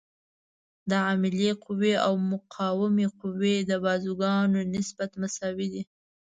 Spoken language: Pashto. د عاملې قوې او مقاومې قوې د بازوګانو نسبت مساوي دی.